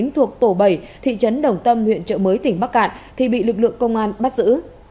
thuộc tổ bảy thị trấn đồng tâm huyện trợ mới tỉnh bắc cạn thì bị lực lượng công an bắt giữ